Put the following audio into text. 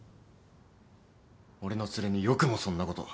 俺のツレによくもそんなこと。